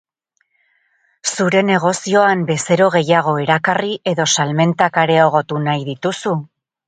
Zure negozioan bezero gehiago erakarri edo salmentak areagotu nahi dituzu?